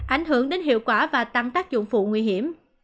ảnh hưởng đến hiệu quả và tăng tác dụng phụ nguy hiểm